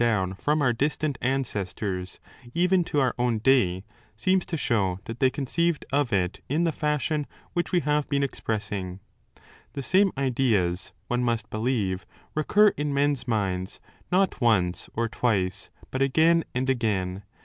The common name, too, which has been handed down from our distant ancestors even to our own day, seems to show that they conceived of it in the fashion which we have been expressing. The same ideas, one must 20 believe, recur in men's minds not once or twice but again and again.